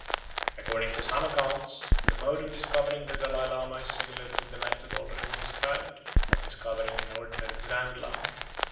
According to some accounts the mode of discovering the Dalai Lama is similar to the method, already described, of discovering an ordinary Grand Lama.